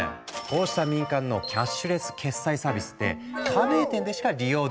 こうした民間のキャッシュレス決済サービスって加盟店でしか利用できない。